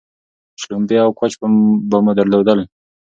شلومبې او کوچ به مو درلودل